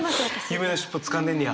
夢のしっぽつかんでんねや。